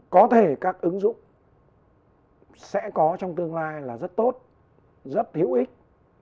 có thể các ứng dụng sẽ có trong tương lai là rất tốt rất hữu ích